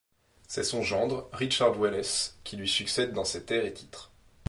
C'est son gendre, Richard Welles, qui lui succède dans ses terres et titres.